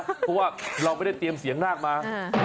เพราะว่าเราไม่ได้เตรียมเสียงนาคมา